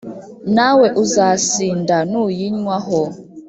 Nawe uzasinda nuyinywa ho